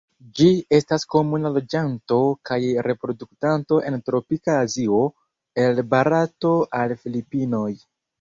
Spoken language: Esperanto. Ĝi estas komuna loĝanto kaj reproduktanto en tropika Azio el Barato al Filipinoj.